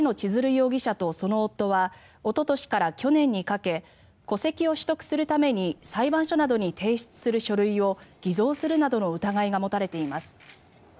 容疑者とその夫はおととしから去年にかけ戸籍を取得するために裁判所などに提出する書類を偽造するなどの疑いが持たれています。